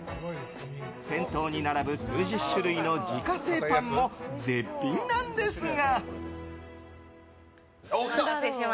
店頭に並ぶ、数十種類の自家製パンも絶品なんですが。